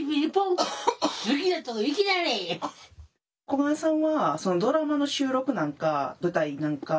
小雁さんはドラマの収録なんか舞台なんか。